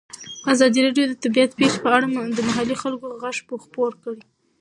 ازادي راډیو د طبیعي پېښې په اړه د محلي خلکو غږ خپور کړی.